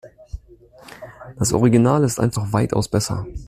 Das Original ist einfach weitaus besser.